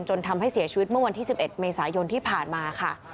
จนทำให้เสียชีวิตเมื่อวันที่๑๑เมษายนที่ผ่านมาค่ะ